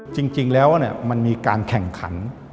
จริงแล้วมันมีการแข่งขัน